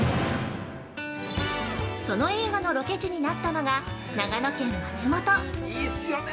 その映画のロケ地になったのが、長野県松本。